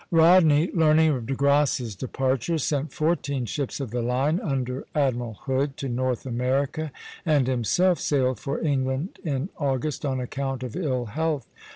Rodney, learning of De Grasse's departure, sent fourteen ships of the line under Admiral Hood to North America, and himself sailed for England in August, on account of ill health.